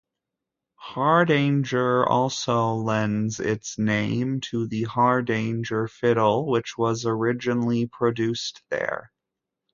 Hardanger also lends its name to the Hardanger fiddle which was originally produced there.